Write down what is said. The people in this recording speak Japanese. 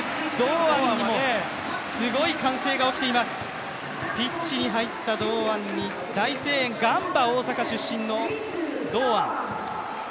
すごい歓声が起きています、ピッチに入った堂安に大声援、ガンバ大阪出身の堂安。